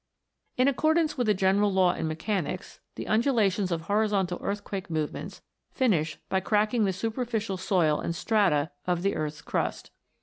In accordance with a general law in mechanics, the undulations of horizontal earthquake movements finish by cracking the superficial soil and strata of the earth's crust.